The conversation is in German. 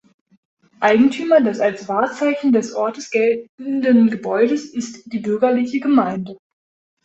Eigentümer des als Wahrzeichen des Ortes geltenden Gebäudes ist die bürgerliche Gemeinde.